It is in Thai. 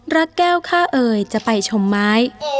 รักแก้วข้าเอ่ยจะไปชมไม้